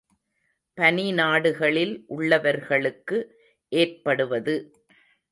பனிநாடுகளில் உள்ளவர்களுக்கு ஏற்படுவது.